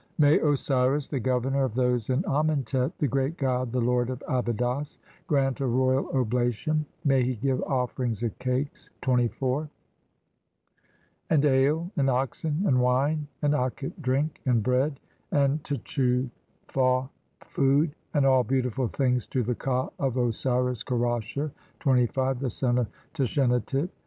"May Osiris, the Governor of those in Amentet, "the great god, the lord of Abydos, grant a royal "oblation ; may he give offerings of cakes, (24) and "ale, and oxen, and wine, and aqet drink, and bread, "and tchefau food, and all beautiful things to the ka "of Osiris Kerasher, (25) the son of Tashenatit.